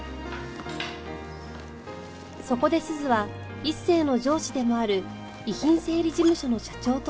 そこで鈴は一星の上司でもある遺品整理事務所の社長と再会する